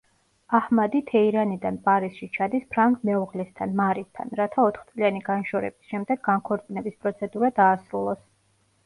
აჰმადი თეირანიდან პარიზში ჩადის ფრანგ მეუღლესთან, მარისთან, რათა ოთხწლიანი განშორების შემდეგ განქორწინების პროცედურა დაასრულოს.